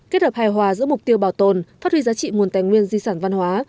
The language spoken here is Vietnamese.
kết hợp hài hòa giữa mục tiêu bảo tồn phát huy giá trị nguồn tài nguyên di sản văn hóa